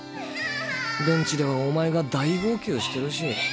ベンチではお前が大号泣してるし。